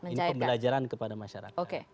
ini pembelajaran kepada masyarakat